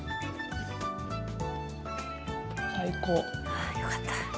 ああよかった。